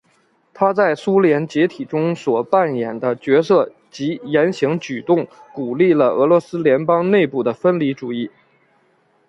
他在苏联解体中所扮演的角色及言行举动鼓励了俄罗斯联邦内部的分离主义。